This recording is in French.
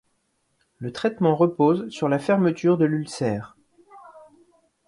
Le traitement repose sur la fermeture de l'ulcère.